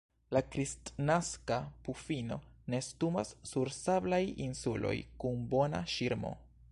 La Kristnaska pufino nestumas sur sablaj insuloj kun bona ŝirmo.